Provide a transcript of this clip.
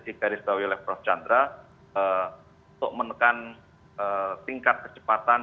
di garis bawah oleh prof chandra untuk menekan tingkat kecepatan